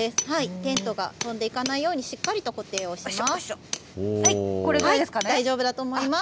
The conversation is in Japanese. テントが飛んでいかないように、しっかりと固定をします。